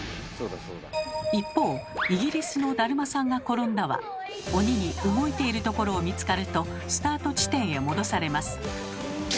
一方イギリスの「だるまさんがころんだ」は鬼に動いているところを見つかるとスタート地点へ戻されます。